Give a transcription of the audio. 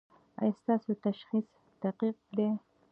ایا ستاسو تشخیص دقیق دی؟